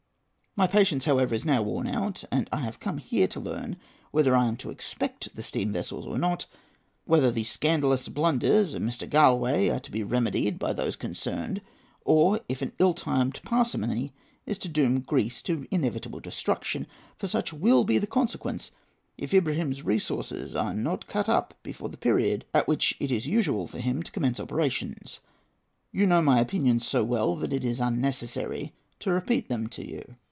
My patience, however, is now worn out, and I have come here to learn whether I am to expect the steam vessels or not,—whether the scandalous blunders of Mr. Galloway are to be remedied by those concerned, or if an ill timed parsimony is to doom Greece to inevitable destruction; for such will be the consequence, if Ibrahim's resources are not cut up before the period at which it is usual for him to commence operations. You know my opinions so well, that it is unnecessary to repeat them to you.